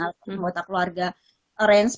anggota keluarga arrange